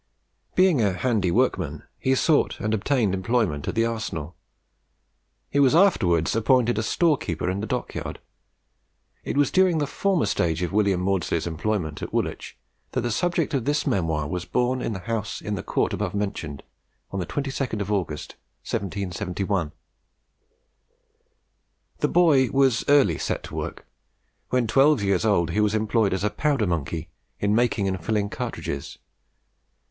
Being a handy workman, he sought and obtained employment at the Arsenal. He was afterwards appointed a storekeeper in the Dockyard. It was during the former stage of William Maudslay's employment at Woolwich, that the subject of this memoir was born in the house in the court above mentioned, on the 22nd of August, 1771. The boy was early set to work. When twelve years old he was employed as a "powder monkey," in making and filling cartridges.